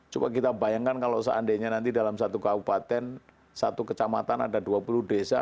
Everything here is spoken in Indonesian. coba kita bayangkan kalau seandainya nanti dalam satu kabupaten satu kecamatan ada dua puluh desa